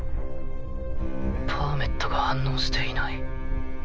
パーメットが反応していない。